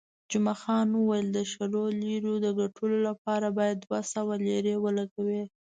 جمعه خان وویل، د شلو لیرو د ګټلو لپاره باید دوه سوه لیرې ولګوې.